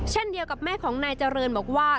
เช่นเดียวกับแม่ของนายเจริญบอกว่า